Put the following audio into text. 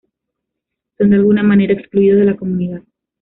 Son de alguna manera excluidos de la comunidad.